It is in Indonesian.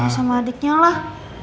sama adiknya lah